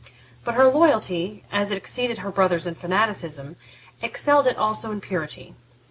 But her loyalty, as it exceeded her brother's in fanaticism, excelled it also in purity.